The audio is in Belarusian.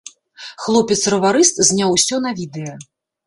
Хлопец-раварыст зняў усё на відэа.